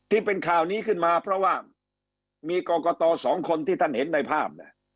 ที่เป็นข่าวนี้ขึ้นมาเพราะว่ามีกรกตสองคนที่ท่านเห็นในภาพ